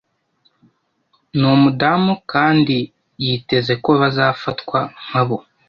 Ni umudamu kandi yiteze ko bazafatwa nkabo.